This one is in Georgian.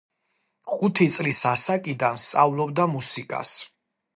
ხუთი წლის ასაკიდან სწავლობდა მუსიკას.